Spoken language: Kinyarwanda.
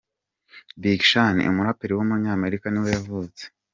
Big Sean, umuraperi w’umunyamerika nibwo yavutse.